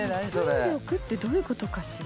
無重力ってどういうことかしら？